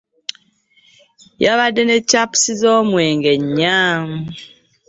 Yabadde ne chups zomwenge nnya .